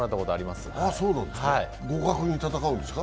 互角に戦うんですか？